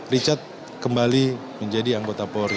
richard kembali menjadi anggota polri